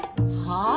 はあ？